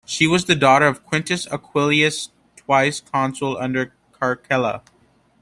She was the daughter of Quintus Aquilius, twice consul under Caracalla.